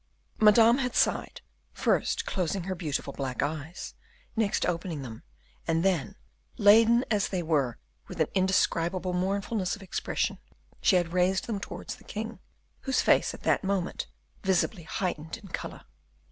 Madame had sighed, first closing her beautiful black eyes, next opening them, and then, laden, as they were, with an indescribable mournfulness of expression, she had raised them towards the king, whose face at that moment visibly heightened in color.